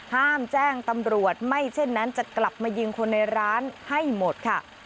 แจ้งตำรวจไม่เช่นนั้นจะกลับมายิงคนในร้านให้หมดค่ะ